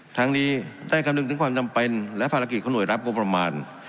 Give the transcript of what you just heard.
ทั้งนี้ได้คำนึงถึงความจำเป็นและภารกิจของหน่วยรับงบประมาณ